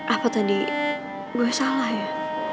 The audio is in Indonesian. aku tadi gue salah ya